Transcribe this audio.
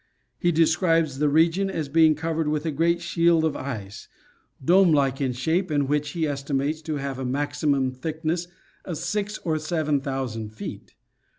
He describes the region as being covered with a great shield of ice, dome like in shape, and which he estimates to have a maxi mum thickness of six or seven thousand feet.